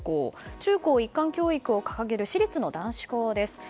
中高一貫を掲げる私立の男子校です。